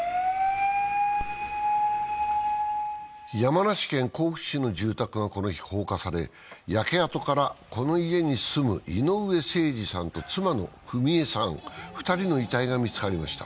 山梨県甲府市の住宅がこの日、放火され焼け跡からこの家に住む井上盛司さんと妻の章惠さん、２人の遺体が見つかりました。